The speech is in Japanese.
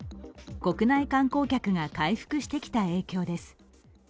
国内観光客が回復してきた影響です。